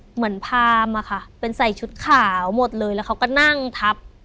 พามอะค่ะเป็นใส่ชุดขาวหมดเลยแล้วเขาก็นั่งทับ